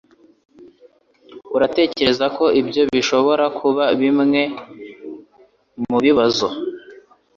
Uratekereza ko ibyo bishobora kuba bimwe mubibazo